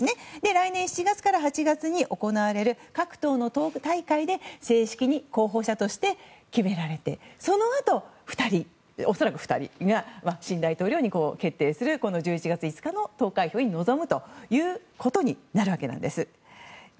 来年７月から８月に行われる、各党の党大会で正式に候補者として決められてそのあと２人、恐らく２人が新大統領に決定する１１月５日の投開票に臨むということになるわけなんです。